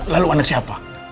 lalu anak siapa